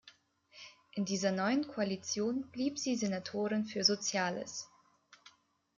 In dieser neuen Koalition blieb sie Senatorin für Soziales.